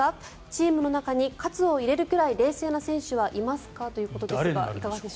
チームの中に活を入れるぐらい冷静な選手はいますか？ということですが。